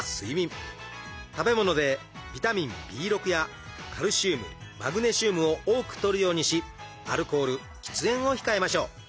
食べ物でビタミンＢやカルシウムマグネシウムを多くとるようにしアルコール喫煙を控えましょう。